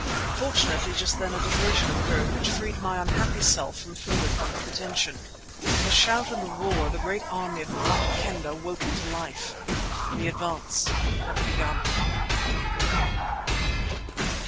Fortunately, just then a diversion occurred which freed my unhappy self from further public attention. With a shout and a roar the great army of the Black Kendah woke into life. The advance had begun.